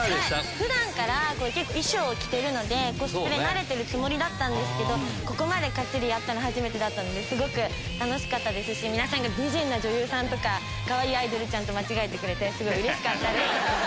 普段から衣装を着てるのでコスプレ慣れてるつもりだったけどここまでカッチリやったの初めてだったので楽しかったし皆さんが美人な女優さんとかかわいいアイドルと間違えてくれてすごいうれしかったです。